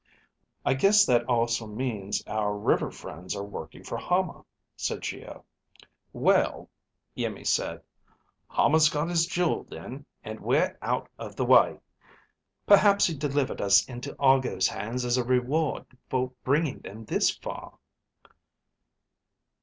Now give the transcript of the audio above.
"I guess that also means our river friends are working for Hama," said Geo. "Well," Iimmi said, "Hama's got his jewel then, and we're out of the way. Perhaps he delivered us into Argo's hands as a reward for bringing them this far?"